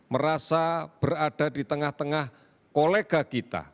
merasa berada di tengah tengah kolega kita